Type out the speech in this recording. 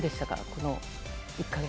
この１か月。